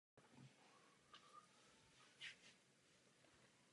Ve své tvorbě se zaměřil na zobrazení boje bulharského lidu proti turecké nadvládě.